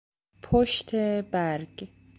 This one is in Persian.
پشت برگ